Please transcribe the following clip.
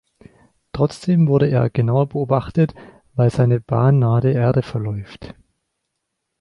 Trotzdem wurde er genauer beobachtet, weil seine Bahn nahe der Erde verläuft.